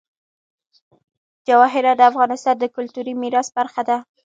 جواهرات د افغانستان د کلتوري میراث برخه ده.